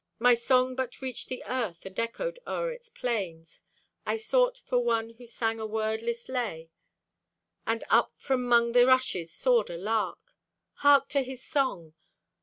My song but reached the earth and echoed o'er its plains. I sought for one who sang a wordless lay, And up from 'mong the rushes soared a lark. Hark to his song!